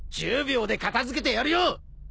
１０秒で片付けてやるよ！